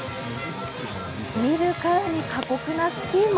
見るからに過酷なスキーモ。